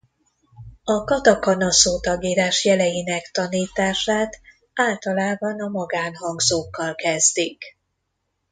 A katakana szótagírás jeleinek tanítását általában a magánhangzókkal kezdik.